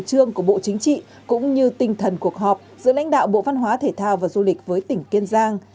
cơ chế và định hướng của bộ chính trị cũng như tinh thần cuộc họp giữa lãnh đạo bộ văn hóa thể thao và du lịch với tỉnh kiên giang